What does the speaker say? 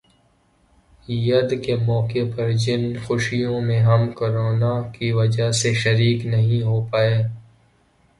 ید کے موقع پر جن خوشیوں میں ہم کرونا کی وجہ سے شریک نہیں ہو پائے